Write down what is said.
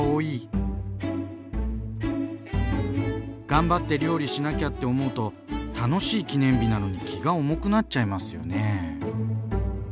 頑張って料理しなきゃって思うと楽しい記念日なのに気が重くなっちゃいますよね。